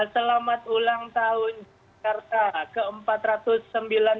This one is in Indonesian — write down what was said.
selamat ulang tahun jakarta